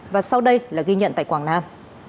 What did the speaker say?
và sau đây là ghi nhận tại quảng nam